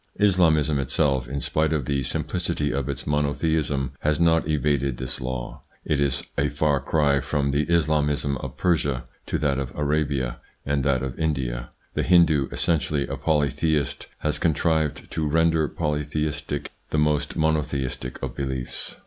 Islamism itself, in spite of the simplicity of its monotheism, has not evaded this law ; it is a far cry from the Islamism of Persia to that of Arabia and that of India. The Hindoo, essentially a polytheist, has contrived to render polytheistic the most mono theistic of beliefs.